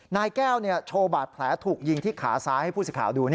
นายแก้วโชว์บาดแผลถูกยิงที่ขาซ้ายให้ผู้สิทธิ์ข่าวดู